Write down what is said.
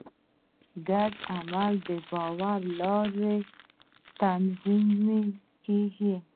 ګډ عمل د باور له لارې تنظیمېږي.